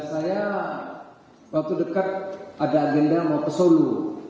biasanya waktu dekat ada agenda mau pesolu